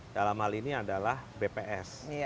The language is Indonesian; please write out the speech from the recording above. dalam hal ini adalah bps